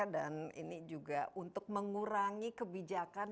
dan ini juga untuk mengurangi kebijakan